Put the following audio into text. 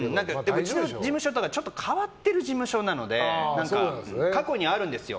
うちの事務所とか、ちょっと変わっている事務所なので過去にあるんですよ。